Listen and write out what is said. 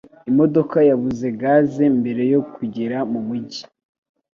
Imodoka yabuze gaze mbere yo kugera mu mujyi